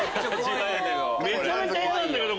めちゃめちゃ嫌なんだけど！